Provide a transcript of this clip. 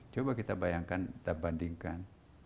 coba kita bayangkan kita bandingkan